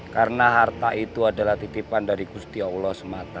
karena harta itu adalah titipan dari kusti allah semata